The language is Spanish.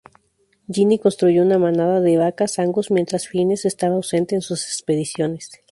Ginny construyó una manada de vacas Angus mientras Fiennes estaba ausente en sus expediciones.